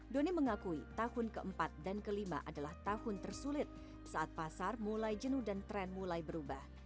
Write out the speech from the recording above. doni mengakui tahun ke empat dan ke lima adalah tahun tersulit saat pasar mulai jenuh dan tren mulai berubah